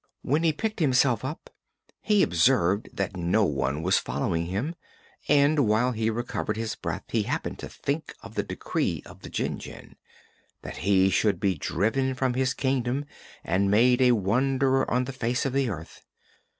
When he picked himself up he observed that no one was following him, and while he recovered his breath he happened to think of the decree of the Jinjin that he should be driven from his Kingdom and made a wanderer on the face of the earth.